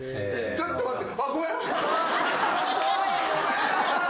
ちょっと待って。